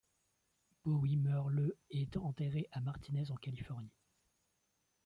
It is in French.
Bowie meurt le et est enterré à Martinez en Californie.